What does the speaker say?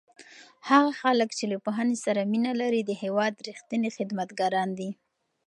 هغه خلک چې له پوهنې سره مینه لري د هېواد رښتیني خدمتګاران دي.